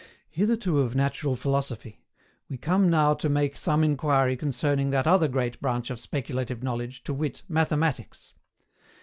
Hitherto of Natural Philosophy: we come now to make some inquiry concerning that other great branch of speculative knowledge, to wit, Mathematics.